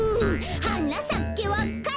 「はなさけわか蘭」